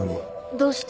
どうして？